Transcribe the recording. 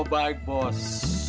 oh baik bos